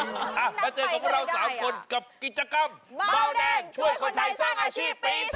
มาเจอกับพวกเรา๓คนกับกิจกรรมเบาแดงช่วยคนไทยสร้างอาชีพปี๒๕